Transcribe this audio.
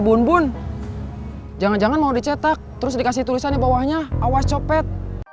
mumbun jangan jangan mau dicetak terus dikasih tulisannya bawahnya awas copet